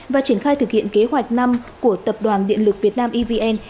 và triển khai thực hiện kế hoạch năm của tập đoàn điện lực việt nam evn